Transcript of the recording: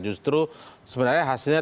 justru sebenarnya hasilnya